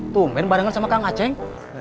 tumben barengan sama kang aceh